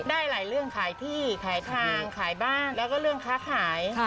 ได้หลายเรื่องขายที่ขายทางขายบ้านแล้วก็เรื่องค้าขาย